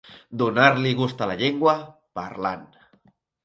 Donar-li gust a la llengua, parlant.